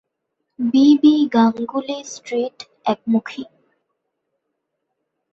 B B Ganguly street একমুখী।